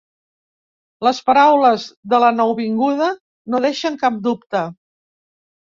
Les paraules de la nouvinguda no deixen cap dubte.